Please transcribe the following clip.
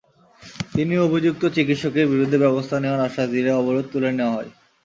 তিনি অভিযুক্ত চিকিৎসকের বিরুদ্ধে ব্যবস্থা নেওয়ার আশ্বাস দিলে অবরোধ তুলে নেওয়া হয়।